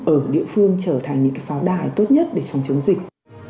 ở địa phương trở thành những pháo đài tốt nhất để chống chống dịch